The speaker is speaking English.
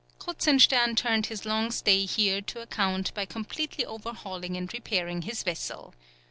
Kruzenstern turned his long stay here to account by completely overhauling and repairing his vessel.